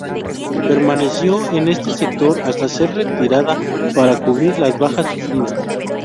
Permaneció en este sector hasta ser retirada para cubrir las bajas sufridas.